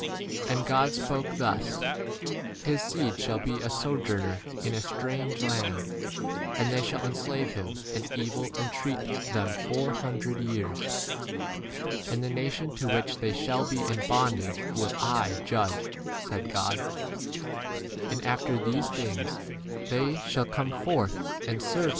And God spoke thus : His seed shall be a sojourner in a strange land, and they shall enslave them v and evil entreat 7 [them] four hundred years ; and the nation to which they shall be in bondage will I judge, said God ; and after these things they shall come forth and serve me in this iT.